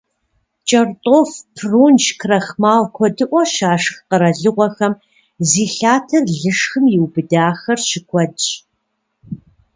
КӀэртӀоф, прунж, крахмал куэдыӀуэ щашх къэралыгъуэхэм зи лъатэр лышхым иубыдахэр щыкуэдщ.